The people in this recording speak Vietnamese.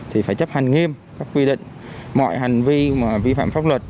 thì phải chấp hành nghiêm các quy định mọi hành vi mà vi phạm pháp luật